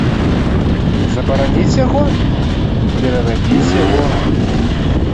Забараніць яго, перарабіць яго?